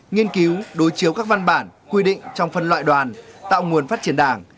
nghiên cứu đối chiếu các văn bản quy định trong phân loại đoàn tạo nguồn phát triển đảng